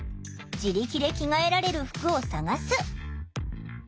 自力で着替えられる服を探す。